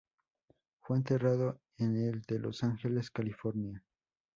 Fue enterrado en el de Los Ángeles, California.